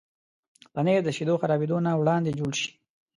پنېر د شیدو خرابېدو نه وړاندې جوړ شي.